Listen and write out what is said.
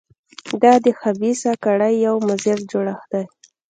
دا د خبیثه کړۍ یو مضر جوړښت دی.